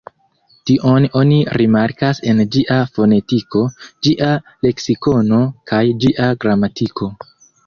Tion oni rimarkas en ĝia fonetiko, ĝia leksikono kaj ĝia gramatiko.